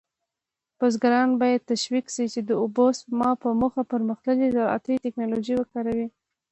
بزګران باید تشویق شي چې د اوبو سپما په موخه پرمختللې زراعتي تکنالوژي وکاروي.